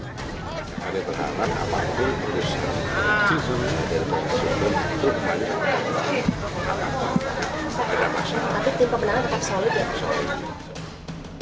tapi tim pemenangan tetap solid ya